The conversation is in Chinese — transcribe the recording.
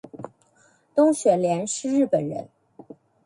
东雪莲是日本人